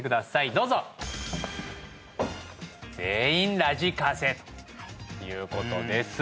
どうぞ全員「ラジカセ」ということです